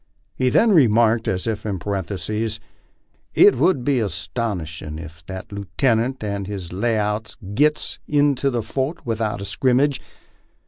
He then remarked, as if in parenthesis, "It would be astonishin' ef that lootenint and his lay out gits into the fort without a scrimmage.